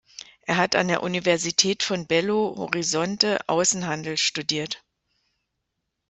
Er hat an der Universität von Belo Horizonte Außenhandel studiert.